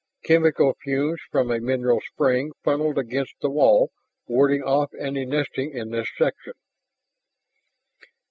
Chemical fumes from a mineral spring funneled against the wall, warding off any nesting in this section.